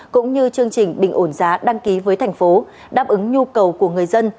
cũng như chương trình bình ổn giá đăng ký với thành phố đáp ứng nhu cầu của người dân